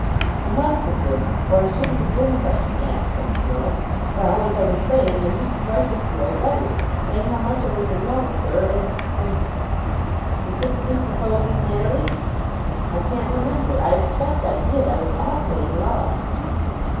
"I must have been or I shouldn't have been such an ass, don't you know! Well, as I was saying, I used to write this girl letters, saying how much I was in love with her; and and " "Specifically proposing marriage?" "I can't remember. I expect I did. I was awfully in love."